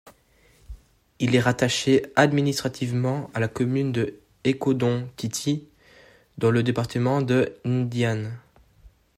Il est rattaché administrativement à la commune de Ekondo-Titi, dans le département de Ndian.